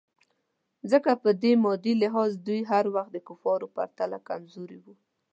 ځکه په مادي لحاظ دوی هر وخت د کفارو پرتله کمزوري وو.